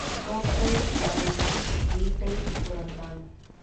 சோற்றை மறந்தான் வீட்டைத் துறந்தான்.